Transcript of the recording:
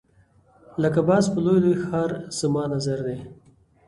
لکه باز په لوی لوی ښکار زما نظر دی.